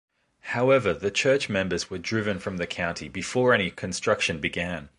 However, the church members were driven from the county before any construction began.